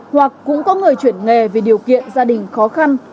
hoặc cũng có người chuyển nghề vì điều kiện gia đình khó khăn